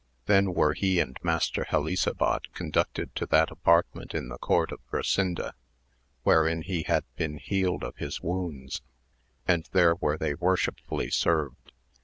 Then were he and Master Helisabad conducted to that apartmeDt in the court of Qrisanda wherein he had been healed of hia wounds, and there where they worshlpfuUy served.